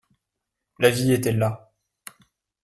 La vie était là.